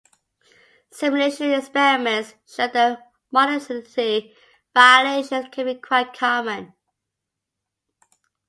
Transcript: Simulation experiments show that monotonicity violations can be quite common.